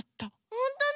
ほんとだ！